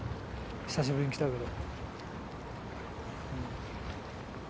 久しぶりに来たけど。